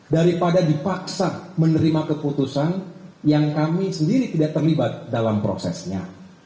daripada dipaksa menerima keputusan yang kami sendiri tidak terlibat dalam prosesnya